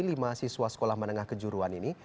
lima siswa sekolah menengah kejuruan ini